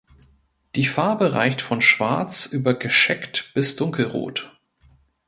Die Farbe reicht von schwarz über gescheckt bis dunkelrot.